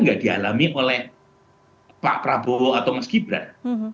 tidak dialami oleh pak prabowo atau mas gibran